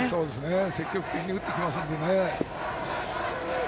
積極的に打っていますのでね。